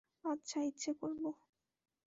আচ্ছা, ইচ্ছে করব।